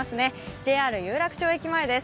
ＪＲ有楽町駅前です。